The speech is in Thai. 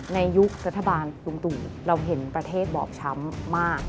ยุครัฐบาลลุงตู่เราเห็นประเทศบอบช้ำมาก